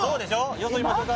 よそいましょうか？